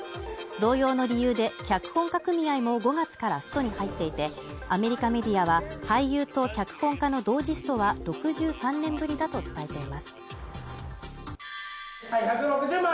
同様の理由で脚本家組合も５月からストに入っていて、アメリカメディアは俳優と脚本家の同時ストは６３年ぶりだと伝えています。